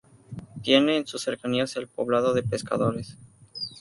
Tiene en sus cercanías el "poblado de Pescadores".